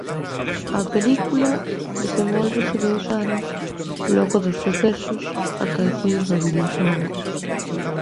A película desenvólvese dous anos logo dos sucesos acaecidos no videoxogo.